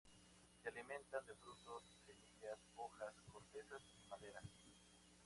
Se alimentan de frutos, semillas, hojas, cortezas y madera.